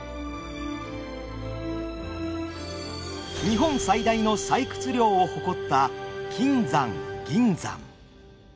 日本最大の採掘量を誇った金山銀山。